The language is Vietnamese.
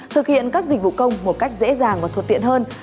thực hiện các dịch vụ công một cách dễ dàng và thuận tiện hơn